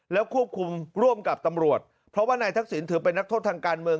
แล้วควบคุมร่วมกับตำรวจเพราะว่านายทักษิณถือเป็นนักโทษทางการเมือง